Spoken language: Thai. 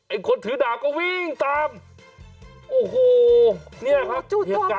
ไอ้คนถือด่าก็วิ่งตามโอ้โหเนี่ยครับโอ้โหจูดต่อแบบนี้